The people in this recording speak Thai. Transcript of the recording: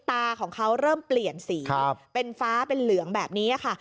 ตาของเขาเริ่มเปลี่ยนสีเป็นฟ้าเป็นเหลืองแบบนี้ค่ะ